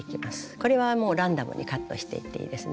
これはもうランダムにカットしていっていいですね。